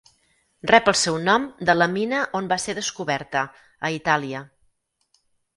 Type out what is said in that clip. Rep el seu nom de la mina on va ser descoberta, a Itàlia.